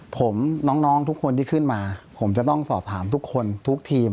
ผมน้องทุกคนที่ขึ้นมาผมจะต้องสอบถามทุกคนทุกทีม